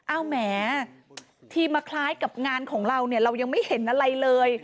แหมที่มาคล้ายกับงานของเราเนี่ยเรายังไม่เห็นอะไรเลย